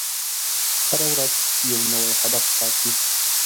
هره ورځ یو نوی هدف ټاکئ.